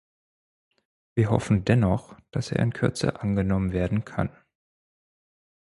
Wir hoffen dennoch, dass er in Kürze angenommen werden kann.